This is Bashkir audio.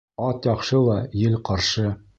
Ат яҡшы ла, ел ҡаршы.